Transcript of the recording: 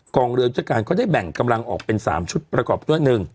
เรือราชการก็ได้แบ่งกำลังออกเป็น๓ชุดประกอบด้วย๑